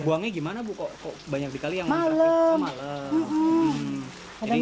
buangnya gimana bu kok banyak sekali yang ngurusin